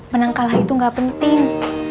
menang kalah itu gak penting